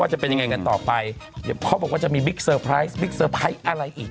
จะเป็นยังไงกันต่อไปเดี๋ยวเขาบอกว่าจะมีบิ๊กเซอร์ไพรส์บิ๊กเซอร์ไพรส์อะไรอีก